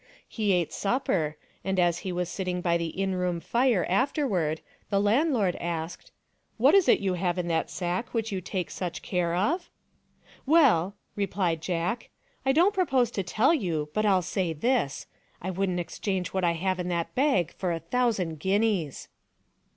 He ate supper, and as he was sitting by the inn room fire afterward the landlord asked, " What is it you have in that sack which you take such care of? "" Well," replied Jack, " I don't propose to tell you, but I '11 say this — I would n't exchange what I have in that bag for a thousand guineas."